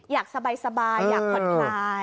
อยากสบายอยากผ่อนคลาย